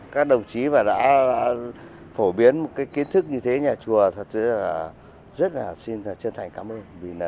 các đồng chí đã phổ biến một kiến thức như thế nhà chùa thật sự rất là xin chân thành cảm ơn